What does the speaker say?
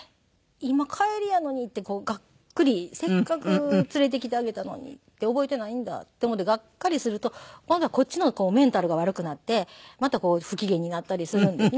今帰りやのにってガックリせっかく連れてきてあげたのに覚えていないんだって思ってガッカリすると今度はこっちのメンタルが悪くなってまたこう不機嫌になったりするんですね。